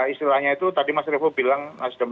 istilahnya itu tadi mas revo bilang nasdem